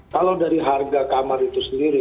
kalau dari harga kamar itu sendiri